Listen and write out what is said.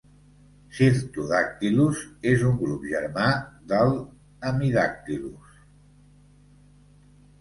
"Cyrtodactylus" és un grup germà del "Hemidactylus".